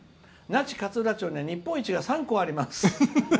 「那智勝浦町には日本一が３つあります」。